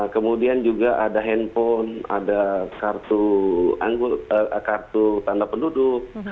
kemudian juga ada handphone ada kartu tanda penduduk